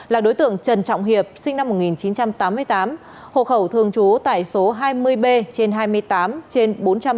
là đối tượng trần trọng hiệp sinh năm một nghìn chín trăm tám mươi tám hộ khẩu thường trú tại số hai mươi b trên hai mươi tám trên bốn trăm bảy mươi